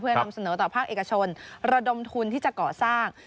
นำเสนอต่อภาคเอกชนระดมทุนที่จะก่อสร้าง